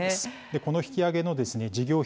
この引き揚げの事業費